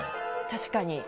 確かに。